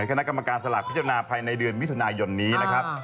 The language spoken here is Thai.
คณะกรรมการสลากพิจารณาภายในเดือนมิถุนายนนี้นะครับ